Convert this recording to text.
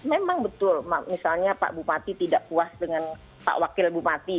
memang betul misalnya pak bupati tidak puas dengan pak wakil bupati